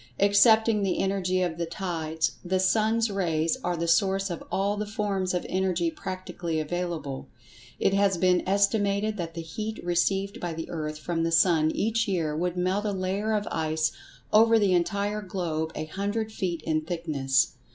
Excepting the energy of the tides, the sun's rays are the source of all the forms of energy practically available. It has been estimated that the heat received by the earth from the sun each year would melt a layer of ice over the entire globe a hundred feet in thickness.